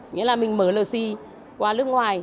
nghĩa là mình mở lơ si qua nước ngoài